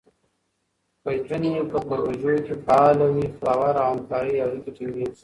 که نجونې په پروژو کې فعاله وي، باور او همکارۍ اړیکې ټینګېږي.